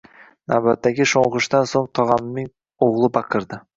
Navbatdagi sho`ng`ishdan so`ng tog`amning o`g`li baqirdi